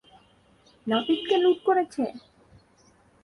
নাপিতকে লুট করেছে!